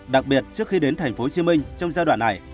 đặc biệt trước khi đến tp hcm trong giai đoạn này